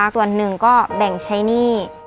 ส่วนหนึ่งก็แบ่งใช้หนี้